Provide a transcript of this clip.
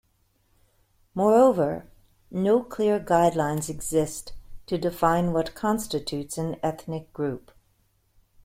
Moreover, no clear guidelines exist to define what constitutes an ethnic group.